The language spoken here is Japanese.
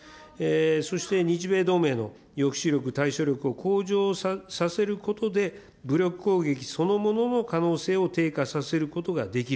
そして、日米同盟の抑止力、対処力を向上させることで、武力攻撃そのものの可能性を低下させることができる。